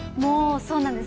そうなんです。